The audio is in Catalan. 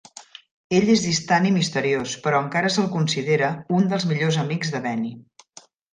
Ell és distant i misteriós però encara se'l considera un dels millors amics de Benny.